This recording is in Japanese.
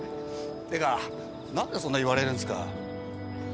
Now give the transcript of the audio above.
てか何でそんな言われるんすか？